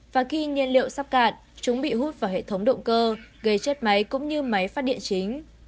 và khi nhiên liệu sắp cạn chúng bị hút vào hệ thống động cơ gây chất máy cũng như máy phát điện chính